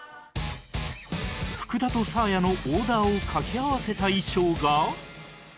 福田とサーヤのオーダーをかけ合わせた衣装が